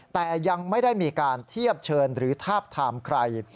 แต่ยังไม่ได้มีการเทียบเชิญหรือทาบทามใคร